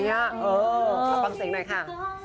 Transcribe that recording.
เอาฟังเสียงหน่อยค่ะ